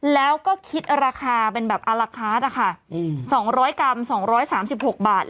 แล้วก็คิดราคาเป็นแบบอาราคานะคะอืมสองร้อยกำสองร้อยสามสิบหกบาท